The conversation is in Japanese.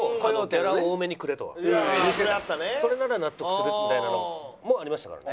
それなら納得するみたいなのもありましたから。